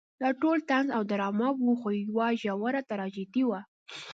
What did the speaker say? دا ټول طنز او ډرامه وه خو یوه ژوره تراژیدي وه.